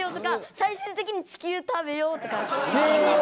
最終的に「地球食べよう」とかそういう。